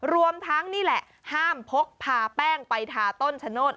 รวมทั้งนี่แหละห้ามพกพาแป้งไปทาต้นชะโนธ